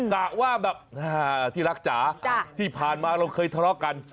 กะว่าแบบที่รักจ๋าที่ผ่านมาเราเคยทะเลาะกัน